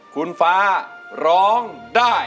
คุณฟ้าร้องได้